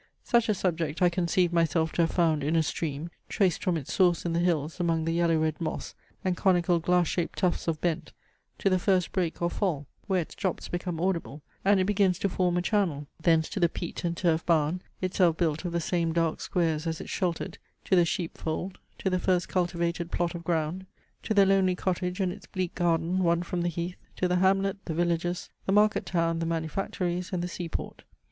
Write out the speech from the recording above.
Such a subject I conceived myself to have found in a stream, traced from its source in the hills among the yellow red moss and conical glass shaped tufts of bent, to the first break or fall, where its drops become audible, and it begins to form a channel; thence to the peat and turf barn, itself built of the same dark squares as it sheltered; to the sheepfold; to the first cultivated plot of ground; to the lonely cottage and its bleak garden won from the heath; to the hamlet, the villages, the market town, the manufactories, and the seaport.